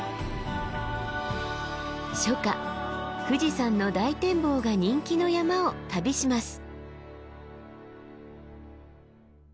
初夏富士山の大展望が人気の山を旅します。